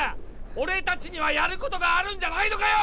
俺達にはやることがあるんじゃないのかよ！